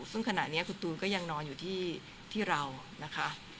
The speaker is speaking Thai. ซึ่งขณะนี้คุณตูนก็ยังนอนอยู่ที่เรานะคะ